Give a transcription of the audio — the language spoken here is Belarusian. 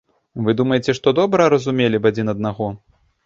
Вы думаеце, што добра разумелі б адзін аднаго?